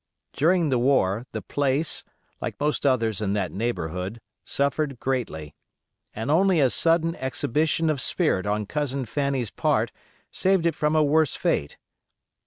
During the war the place, like most others in that neighborhood, suffered greatly, and only a sudden exhibition of spirit on Cousin Fanny's part saved it from a worse fate.